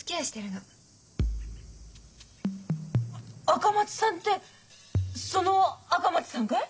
赤松さんってその赤松さんがい？